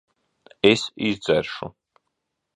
Es izdzeršu.